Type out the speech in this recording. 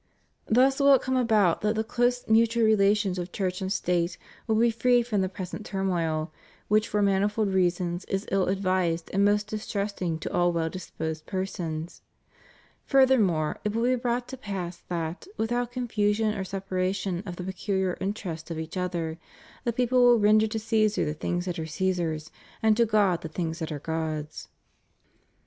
Thus will it come about that the close mutual relations of Church and State will be freed from the pres ent turmoil, which for manifold reasons is ill advised and most distressing to all well disposed persons; furthermore, it will be brou^t to pass that, without confusion or sepa ration of the peculiar interests of each, the people will render to Ccesar the things that are Ccesar's, and to God the things that are God's.